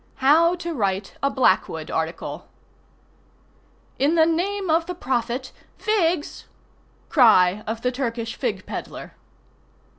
HOW TO WRITE A "BLACKWOOD" ARTICLE "In the name of the Prophet—figs!!" —_Cry of the Turkish fig peddler.